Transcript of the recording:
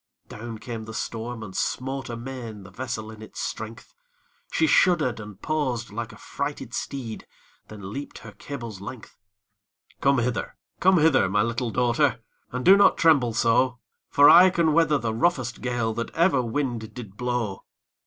Down came the storm, and smote amain The vessel in its strength; She shudder'd and paused, like a frighted steed, Then leap'd her cable's length. 'Come hither! come hither! my little daughtèr. And do not tremble so; For I can weather the roughest gale That ever wind did blow.'